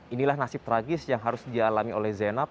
inilah nasib tragis yang harus dialami oleh zainab